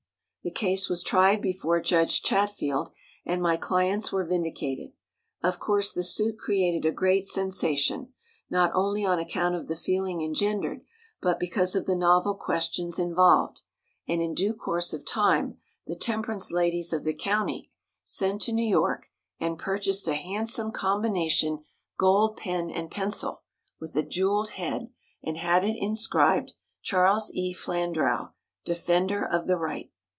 The case was tried before Judge Chatfield, and my clients were vindicated. Of course, the suit created a great sensation, not only on account of the feeling engendered, but because of the novel questions involved, and in due course of time the temperance ladies of the county sent to New York and purchased a handsome combination gold pen and pencil, with a jewelled head, and had it inscribed, "Charles E. Flandrau: Defender of the Right."